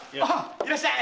いらっしゃい。